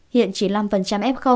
hiện chín mươi năm f